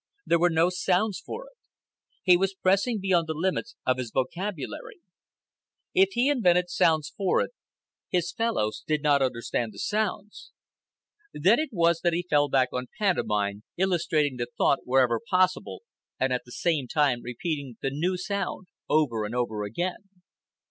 There were no sounds for it. He was pressing beyond the limits of his vocabulary. If he invented sounds for it, his fellows did not understand the sounds. Then it was that he fell back on pantomime, illustrating the thought wherever possible and at the same time repeating the new sound over and over again.